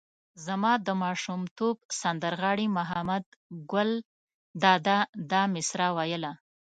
زما د ماشومتوب سندر غاړي محمد ګل دادا دا مسره ویله.